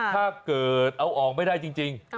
ถ้าเกิดเอาออกไม่ได้จริง